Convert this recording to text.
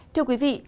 thưa quý vị